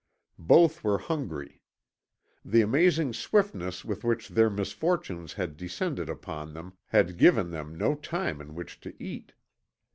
Both were hungry. The amazing swiftness with which their misfortunes had descended upon them had given them no time in which to eat.